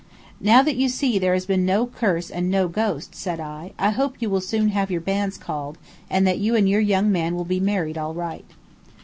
"Now that you see there has been no curse and no ghost," said I, "I hope that you will soon have your banns called, and that you and your young man will be married all right."